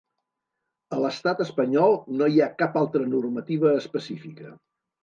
A l'estat espanyol no hi ha cap altra normativa específica.